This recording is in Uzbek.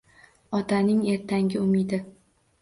Otaning ertangi umidi.